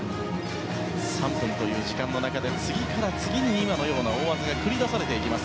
３分という時間の中で次から次に今のような大技が繰り出されていきます